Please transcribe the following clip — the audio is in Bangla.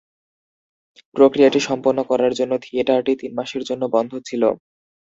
প্রক্রিয়াটি সম্পন্ন করার জন্য থিয়েটারটি তিন মাসের জন্য বন্ধ ছিল।